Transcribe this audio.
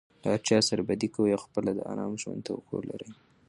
له هرچا سره بدي کوى او خپله د آرام ژوند توقع لري.